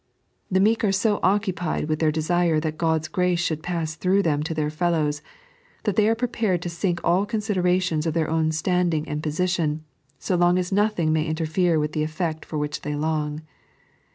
The meek are so occupied with their desire that God's grace should pass through them to their fellows, that they are prepared to sink all considerations of their own standing and position, so long as nothing may interfere with the efl'eot for which they long.